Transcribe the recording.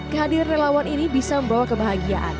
kehadiran relawan ini bisa membawa kebahagiaan